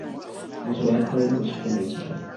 Omusumba yatwaliddwa mu kitundu ekirala.